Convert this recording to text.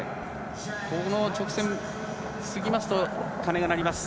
ここの直線を過ぎますと鐘が鳴ります。